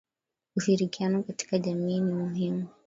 Ushirikiano katika jamii ni muhimu